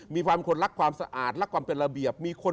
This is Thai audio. มีคนคนรักความสะอาดรักความเป็นระเบียบ